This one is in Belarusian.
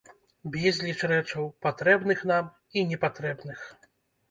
Безліч рэчаў, патрэбных нам і непатрэбных.